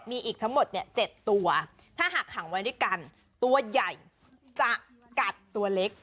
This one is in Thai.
มีอีกทั้งหมด๗ตัวถ้าหากขังไว้ด้วยกันตัวใหญ่จะกัดตัวเล็ก